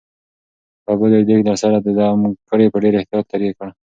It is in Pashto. ببو د دېګ له سره د دم ټوکر په ډېر احتیاط لیرې کړ.